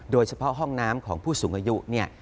โดยเฉพาะห้องน้ำของผู้สูงอายุเนี่ย